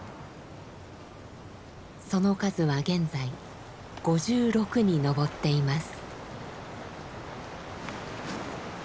その数は現在５６に上っています。